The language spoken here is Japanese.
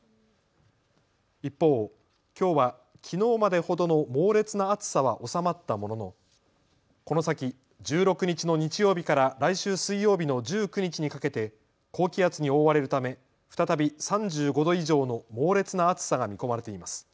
一方、きょうはきのうまでほどの猛烈な暑さは収まったもののこの先、１６日の日曜日から来週水曜日の１９日にかけて高気圧に覆われるため再び３５度以上の猛烈な暑さが見込まれています。